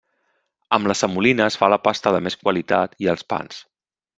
Amb la semolina es fa la pasta de més qualitat i els pans.